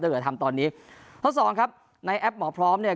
เหลือทำตอนนี้ข้อสองครับในแอปหมอพร้อมเนี่ย